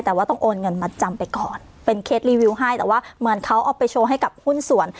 แต่ว่าต้องโอนเงินมาจำไปก่อนเป็นเคสรีวิวให้แต่ว่าเหมือนเขาเอาไปโชว์ให้กับหุ้นส่วน